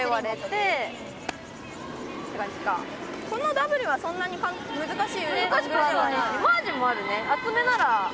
このダブルはそんなに難しくはない。